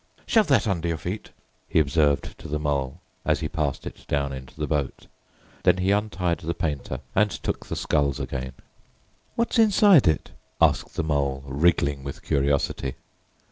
"Shove that under your feet," he observed to the Mole, as he passed it down into the boat. Then he untied the painter and took the sculls again. "What's inside it?" asked the Mole, wriggling with curiosity.